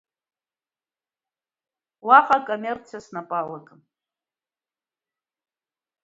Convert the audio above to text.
Уаҟа акоммерциа снапы алакын.